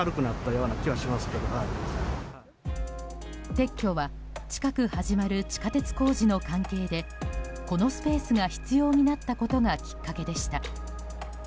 撤去は近く始まる地下鉄工事の関係でこのスペースが必要になったことがきっかけでした。